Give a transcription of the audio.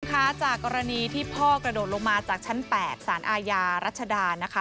คุณผู้ชมคะจากกรณีที่พ่อกระโดดลงมาจากชั้น๘สารอาญารัชดานะคะ